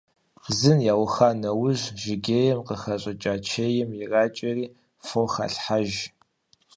Зын яуха нэужь жыгейм къыхэщӏыкӏа чейм иракӀэри фо халъхьэж.